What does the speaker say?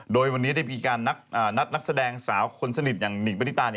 โดยวันนี้ได้มีการนัดนักแสดงสาวคนสนิทอย่างหิ่งปณิตา